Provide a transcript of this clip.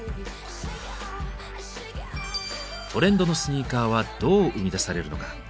トレンドのスニーカーはどう生み出されるのか。